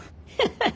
ハハハハ！